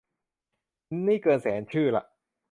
นี่เกินแสนชื่อละ